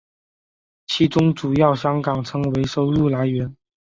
其中主要香港成为收入来源。